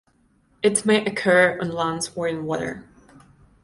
It may occur on land or in water.